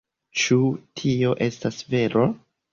Ĉu tio estas vero?